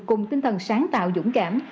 cùng tinh thần sáng tạo dũng cảm